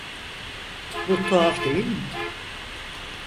Bu tuhaf değil mi?